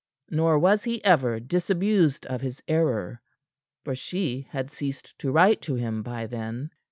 Nor was he ever disabused of his error. For she had ceased to write to him by then.